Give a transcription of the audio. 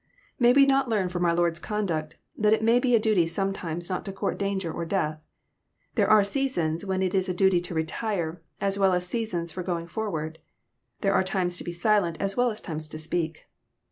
May we not learn from our Lord*s conduct, that It may be a duty sometimes not to court danger or death ? There are sea sons when it is a duty to retire, as well as seasons for going for ward. There are times to be silent, as well as times to speak.